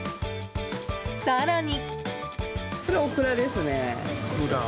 更に。